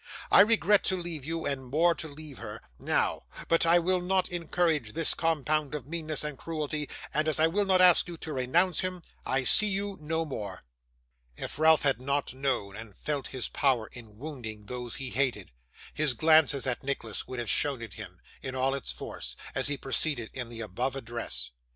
I regret to leave you, and more to leave her, now, but I will not encourage this compound of meanness and cruelty, and, as I will not ask you to renounce him, I see you no more.' If Ralph had not known and felt his power in wounding those he hated, his glances at Nicholas would have shown it him, in all its force, as he proceeded in the above address.